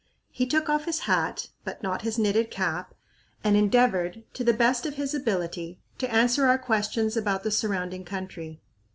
He took off his hat but not his knitted cap and endeavored to the best of his ability to answer our questions about the surrounding country.